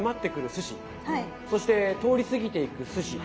そして通りすぎていくすし。